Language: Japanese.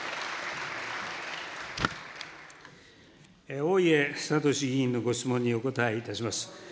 大家敏志議員のご質問にお答えいたします。